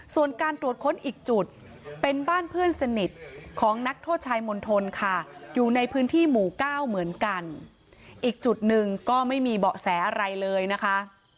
ส่วนการตรวจค้นอีกจุดเป็นบ้านเพื่อนสนิทของนักโทษชายมณฑลค่ะอยู่ในพื้นที่หมู่เก้าเหมือนกันอีกจุดหนึ่งก็ไม่มีเบาะแสอะไรเลยนะคะ